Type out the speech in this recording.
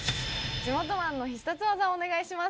地元マンの必殺技をお願いします。